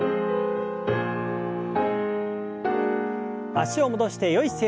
脚を戻してよい姿勢に。